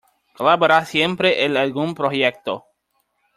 Colaborar siempre en algún proyecto.